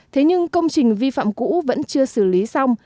thế nhưng công trình vi phạm cũ vẫn chưa xử lý xong